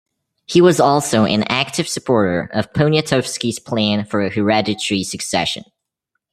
He was also an active supporter of Poniatowski's plan for a hereditary succession.